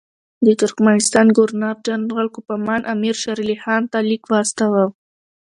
د ترکمنستان ګورنر جنرال کوفمان امیر شېر علي خان ته لیک واستاوه.